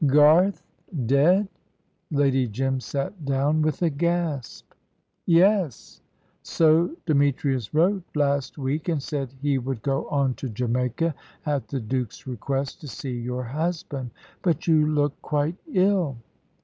"Garth dead?" Lady Jim sat down, with a gasp. "Yes; so Demetrius wrote last week, and said he would go on to Jamaica at the Duke's request to see your husband. But you look quite ill."